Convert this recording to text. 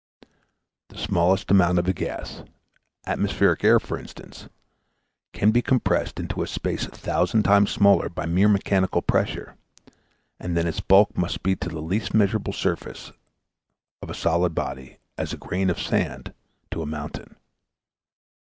The smallest amount of a gas, atmospheric air for instance, can be compressed into a space a thousand times smaller by mere mechanical pressure, and then its bulk must be to the least measurable surface of a solid body, as a grain of sand to a mountain.